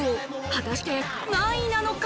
果たして何位なのか？